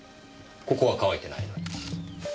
ここは乾いてないのに。